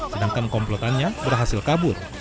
sedangkan komplotannya berhasil kabur